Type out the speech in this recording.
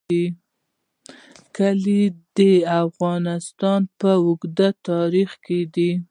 کلي د افغانستان په اوږده تاریخ کې دي.